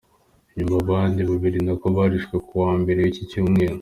Nyuma abandi babiri nabo barishwe kuwa Mbere w’iki cyumweru.